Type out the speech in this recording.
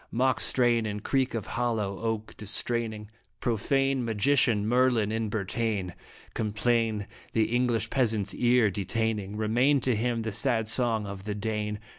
Mock strain and creak of hollow oak distraining Profane magician Merlin in Bretagne. Complain the English peasant's ear detaining, Remain to him the sad song of the Dane.